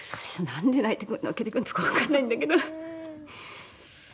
なんで泣けてくるのか分かんないんだけど。